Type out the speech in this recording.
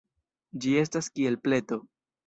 Ĝi estas kiel pleto.